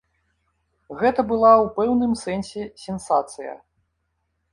Гэта была ў пэўным сэнсе сенсацыя.